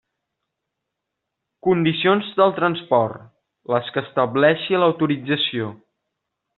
Condicions del transport: les que estableixi l'autorització.